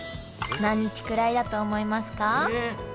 何日くらいだと思いますか？